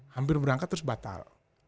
hampir berangkat terus batal